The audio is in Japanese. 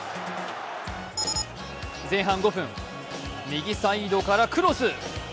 前半５分、右サイドからクロス。